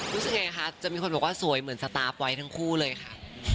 รู้สึกยังไงคะจะมีคนบอกว่าสวยเหมือนสตาร์ฟไว้ทั้งคู่เลยค่ะ